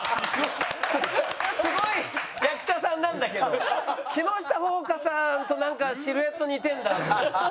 すごい役者さんなんだけど木下ほうかさんとなんかシルエット似てるんだ。